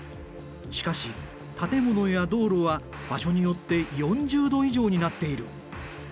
しかし建物や道路は場所によって４０℃以上になっている。